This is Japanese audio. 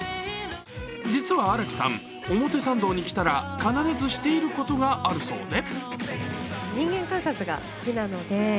実は新木さん、表参道に来たら必ずしていることがあるそうで。